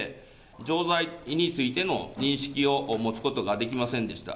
錠剤についての認識を持つことができませんでした。